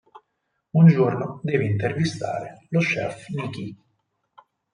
Un giorno deve intervistare lo chef Nicki.